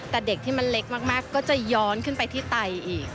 แต่เด็กที่มันเล็กมากก็จะย้อนขึ้นไปที่ไตอีก